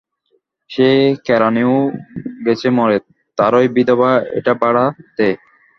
সে কেরানিও গেছে মরে, তারই বিধবা এটা ভাড়া দেয়।